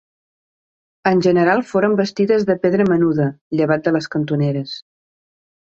En general foren bastides de pedra menuda, llevat de les cantoneres.